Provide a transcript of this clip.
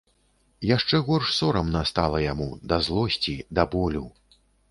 Яшчэ горш сорамна стала яму, да злосці, да болю.